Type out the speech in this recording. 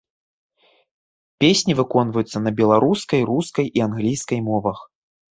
Песні выконваюцца на беларускай, рускай і англійскай мовах.